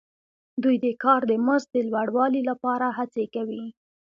دوی د کار د مزد د لوړوالي لپاره هڅې کوي